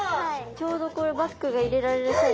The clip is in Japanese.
ちょうどこれバッグが入れられるサイズ。